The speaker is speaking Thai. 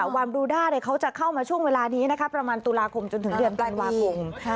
วานบรูด้าเขาจะเข้ามาช่วงเวลานี้นะคะประมาณตุลาคมจนถึงเดือนธันวาคม